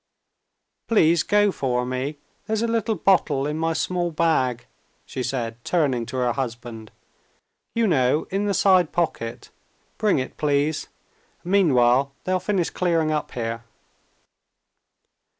"Please go for me, there's a little bottle in my small bag," she said, turning to her husband, "you know, in the side pocket; bring it, please, and meanwhile they'll finish clearing up here."